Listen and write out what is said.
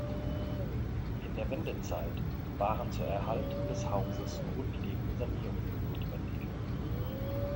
In der Wendezeit waren zur Erhaltung des Hauses grundlegende Sanierungen notwendig.